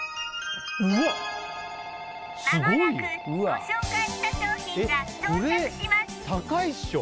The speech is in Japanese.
うわっすごいよまもなくご紹介した商品が到着します